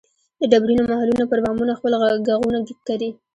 د ډبرینو محلونو پر بامونو خپل ږغونه کري